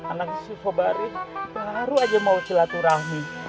anak si sobari baru aja mau silaturahmi